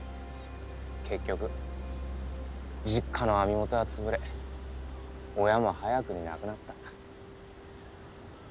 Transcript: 結局実家の網元は潰れ親も早くに亡くなった。